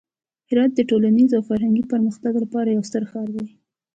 هرات د ټولنیز او فرهنګي پرمختګ لپاره یو ستر ښار دی.